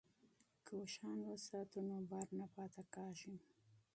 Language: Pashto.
که اوښان وساتو نو بار نه پاتې کیږي.